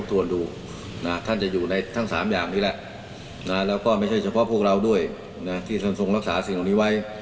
ตรวจดูท่านจะอยู่ในทั้ง๓อย่างนี้แหละแล้วก็ไม่ใช่เฉพาะพวกเราด้วยนะที่ท่านทรงรักษาสิ่งเหล่านี้ไว้